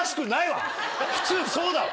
普通そうだわ。